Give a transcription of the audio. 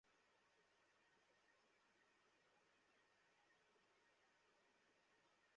এটা তিনি করেছিলেন আল্লাহর উপর পূর্ণ আস্থা ও ভরসা রেখে।